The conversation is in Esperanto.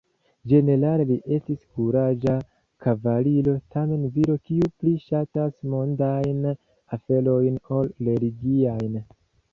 Ĝenerale li estas kuraĝa kavaliro, tamen viro kiu pli ŝatas mondajn aferojn ol religiajn.